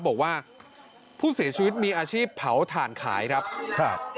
บอกว่าผู้เสียชีวิตมีอาชีพเผาถ่านขายครับครับ